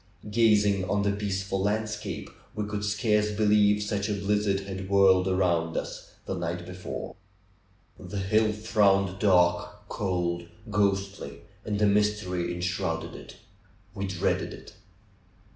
Gazing on the peaceful landscape we could scarce believe such a blizzard had whirled around us the night before. 168 THE BEND OF THE HILL The hill frowned dark, cold, ghostly, and a mystery enshrouded it. We dreaded it.